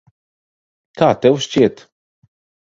Kā tev šķiet?